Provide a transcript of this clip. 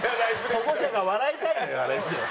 保護者が笑いたいのよ